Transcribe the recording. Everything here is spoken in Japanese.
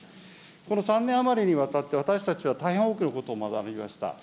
この３年余りにわたって、私たちは大変多くのことを学びました。